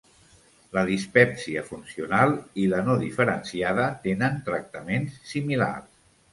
La dispèpsia funcional i la no diferenciada tenen tractaments similars.